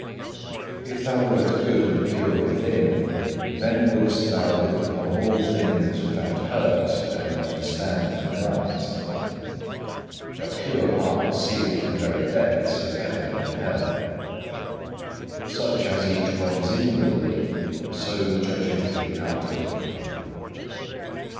2. If thou wert good and pure within, then wouldst thou look upon all things without hurt and understand them aright. A pure heart seeth the very depths of heaven and hell. Such as each one is inwardly, so judgeth he outwardly.